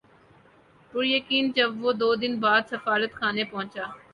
پُریقین جب وہ دو دن بعد سفارتخانے پہنچا